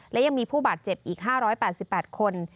และยังมีผู้บาดเจ็บอีก๕๘๘คน